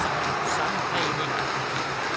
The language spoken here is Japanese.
３対２。